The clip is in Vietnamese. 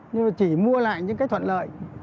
nhưng mà chỉ mua lại những cái thuận lợi